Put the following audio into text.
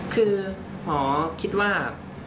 คือหมอคิดว่า